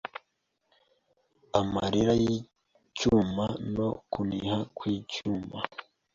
Amarira yicyuma no kuniha kwicyuma